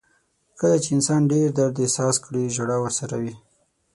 • کله چې انسان ډېر درد احساس کړي، ژړا ورسره وي.